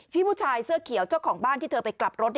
ผู้ชายเสื้อเขียวเจ้าของบ้านที่เธอไปกลับรถ